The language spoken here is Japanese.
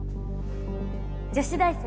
女子大生